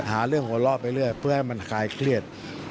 หาเรื่องหัวเราะไปเรื่อยเพื่อให้มันคลายเครียด